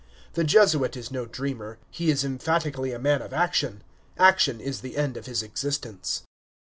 The Jesuit is no dreamer: he is emphatically a man of action; action is the end of his existence.